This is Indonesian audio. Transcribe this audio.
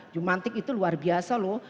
jumantik itu luar biasa loh